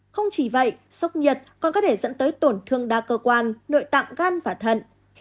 không chỉ vậy sốc nhiệt còn có thể dẫn tới tổn thương đa cơ quan nội tạng gan và thận